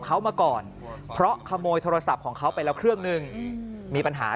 เขามาก่อนเพราะขโมยโทรศัพท์ของเขาไปแล้วเครื่องหนึ่งมีปัญหา